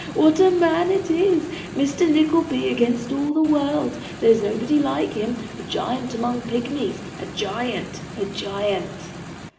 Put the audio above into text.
What a man it is! Mr Nickleby against all the world. There's nobody like him. A giant among pigmies, a giant, a giant!